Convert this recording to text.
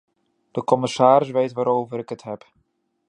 De commissaris weet waarover ik het heb.